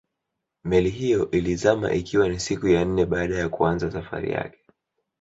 Meli hiyo ilizama ikiwa ni siku ya nne baada ya kuanza safari yake